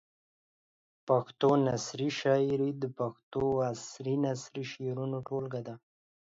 پښتو نثري شاعري د پښتو عصري نثري شعرونو ټولګه ده.